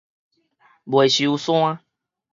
袂收山